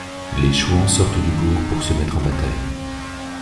Les Chouans sortent du bourg pour se mettre en bataille.